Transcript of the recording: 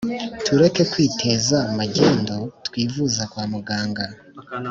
tureke kwiteza magendu twivuze kwa mu ganga